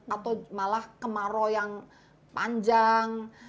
atau malah kemarau yang panjang